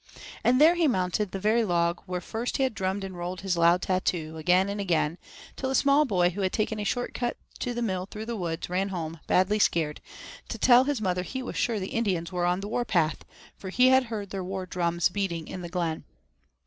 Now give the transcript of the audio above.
And there he mounted the very log where first he had drummed and rolled his loud tattoo again and again, till a small boy who had taken a short cut to the mill through the woods, ran home, badly scared, to tell his mother he was sure the Indians were on the war path, for he heard their war drums beating in the glen.